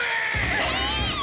えっ！？